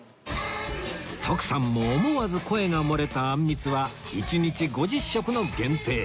徳さんも思わず声が漏れたあんみつは１日５０食の限定